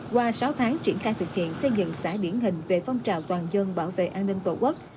qua sáu tháng triển khai thực hiện xây dựng xã điển hình về phong trào toàn dân bảo vệ an ninh tổ quốc